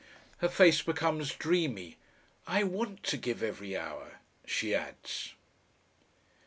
Her face becomes dreamy. "I WANT to give every hour," she adds.